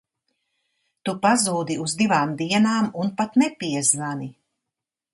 Tu pazūdi uz divām dienām un pat nepiezvani!